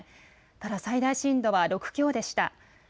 ただ最大震度は６強でした。